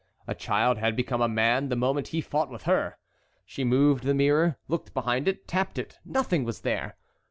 A child had become a man the moment he fought with her. She moved the mirror, looked behind it, tapped it; nothing was there!